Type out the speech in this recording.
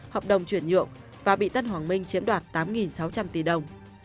hợp đồng chuyển nhượng và bị tân hoàng minh chiếm đoạt tám sáu trăm linh tỷ đồng